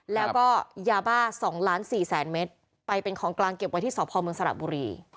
แล้วก็ยาบ้า๒ล้าน๔แสนเมตรไปเป็นของกลางเก็บไว้ที่สพเมืองสระบุรี